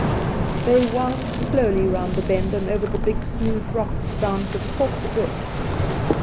They wound slowly round the bend and over the big smooth rocks down to the Fourth Drift.